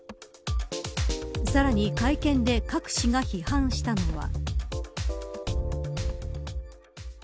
さらに会見でカク氏が批判したのは。